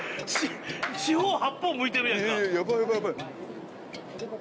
四方八方向いてるやんか。